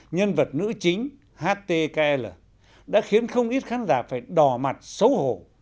nhân vật nữ chính htl đã khiến không ít khán giả phải đò mặt xấu hổ